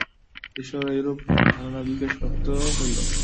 ঈশ্বরের এইরূপ ধারণা বিকাশপ্রাপ্ত হইল।